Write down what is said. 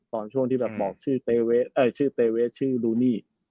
ตอนช่วงที่แบบบอกเชื่อเตเวสเอ่อเชื่อเตเวสเชื่อลูนี่